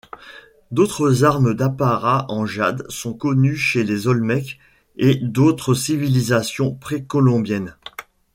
D'autres armes d'apparat en jade sont connues chez les Olmèques et d'autres civilisations précolombiennes.